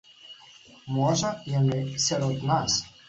Можа, яны сярод нас.